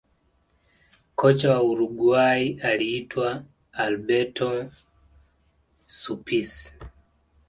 kocha wa uruguay aliitwa alberto suppici